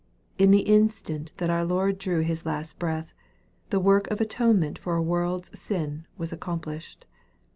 In the instant that our Lord drew His last breath, the work of atonement for a world's sin was accomplished.